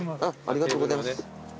ありがとうございます。